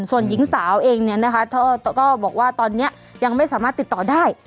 ส่วนหญิงสาวเองเนี่ยนะคะก็บอกว่าตอนนี้ยังไม่สามารถติดต่อได้